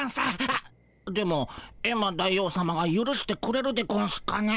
あっでもエンマ大王さまがゆるしてくれるでゴンスかね？